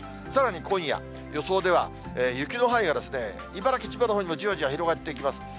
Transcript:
さらに今夜、予想では雪の範囲が茨城、千葉のほうにもじわじわ広がっていきます。